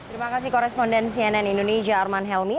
terima kasih koresponden cnn indonesia arman helmi